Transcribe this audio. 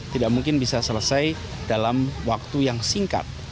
tidak mungkin bisa selesai dalam waktu yang singkat